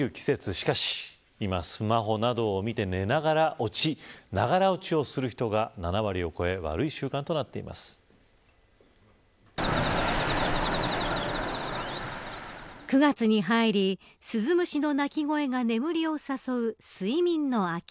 しかし今、スマホなどを見て寝ながらながら落ちをする人が７割を超え９月に入りスズムシの鳴き声が眠りを誘う睡眠の秋。